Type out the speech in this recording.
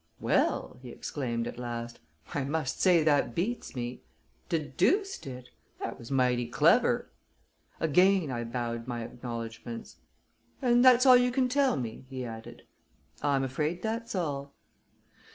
"Well," he exclaimed, at last, "I must say that beats me! Deduced it! That was mighty clever." Again I bowed my acknowledgments. "And that's all you can tell me?" he added. "I'm afraid that's all."